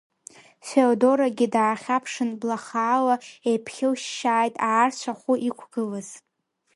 Феодорагьы даахьаԥшын, бла хаала еиԥхьылшьшьааит аарцә ахәы иқәгылаз.